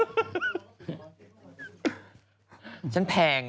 เออฉันแพง